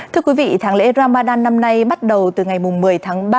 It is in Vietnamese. thưa quý vị tháng lễ ramadan năm nay bắt đầu từ ngày một mươi tháng ba